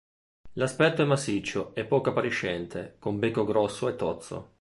L'aspetto è massiccio e poco appariscente, con becco grosso e tozzo.